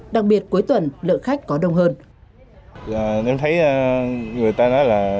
đặc biệt cuối tuần lượng khách có đông hơn